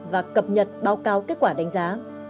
và cập nhật báo cáo kết quả đánh giá